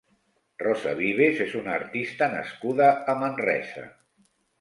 Rosa Vives és una artista nascuda a Manresa.